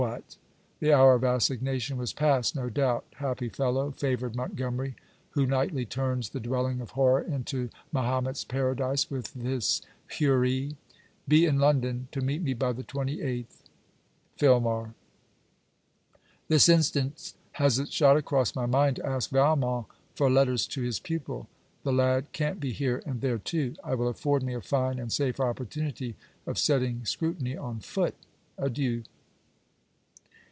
_' What! The hour of assignation was past, no doubt! Happy fellow! Favoured Montgomery! Who nightly turns the dwelling of horror into Mahomet's paradise with this Houri. Be in London, to meet me by the twenty eighth. FILMAR This instant has it shot across my mind to ask Valmont for letters to his pupil. The lad can't be here and there too. It will afford me a fine and safe opportunity of setting scrutiny on foot. Adieu.